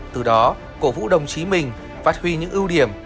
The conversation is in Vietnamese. từ đó cổ vũ đồng chí mình phát huy những ưu điểm